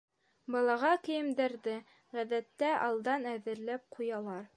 Балаға кейемдәрҙе, ғәҙәттә, алдан әҙерләп ҡуялар.